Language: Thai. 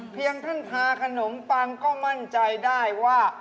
ท่านทาขนมปังก็มั่นใจได้ว่า